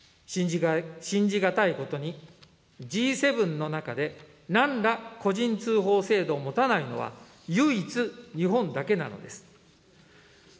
信じ難いことに、Ｇ７の中でなんら個人通報制度を持たないのは、唯一日本だけなのです。